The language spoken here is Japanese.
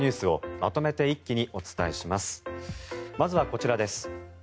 まずはこちらです。